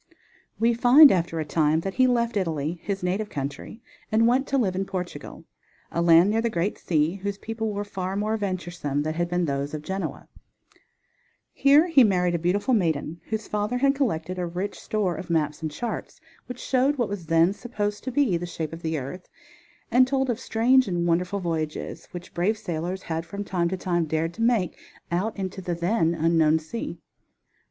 We find after a time that he left Italy, his native country, and went to live in Portugal, a land near the great sea, whose people were far more venturesome than had been those of Genoa. Here he married a beautiful maiden, whose father had collected a rich store of maps and charts, which showed what was then supposed to be the shape of the earth and told of strange and wonderful voyages which brave sailors had from time to time dared to make out into the then unknown sea.